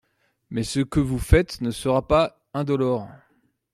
Mais ce que vous faites ne sera pas indolore.